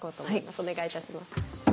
お願いいたします。